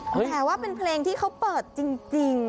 แต่ว่าเป็นเพลงที่เขาเปิดจริง